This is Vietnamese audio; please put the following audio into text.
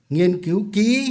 nghiên cứu ký